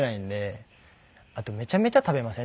あとめちゃめちゃ食べません？